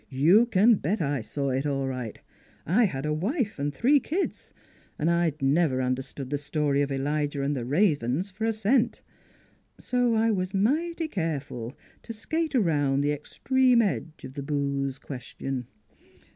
You can bet I saw it, all right I had a wife an' three kids, an' I'd never understood the story of Eiljah an' the ravens for a cent. So I was mighty careful to skate around the extreme edge of the booze question.